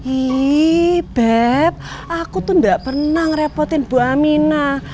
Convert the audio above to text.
ih beb aku tuh gak pernah ngerepotin bu aminah